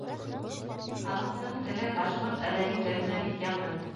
Халыҡтың теле башҡорт әҙәби теленә бик яҡын.